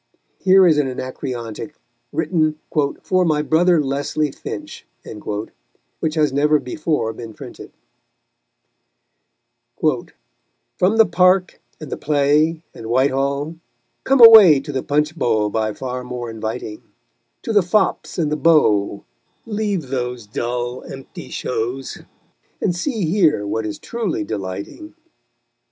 Here is an anacreontic written "for my brother Leslie Finch" which has never before been printed: _From the Park, and the Play, And Whitehall, come away To the Punch bowl by far more inviting; To the fops and 'the beaux Leave those dull empty shows, And see here what is truly delighting.